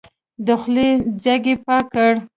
د خولې ځګ يې پاک کړ.